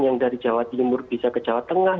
yang dari jawa timur bisa ke jawa tengah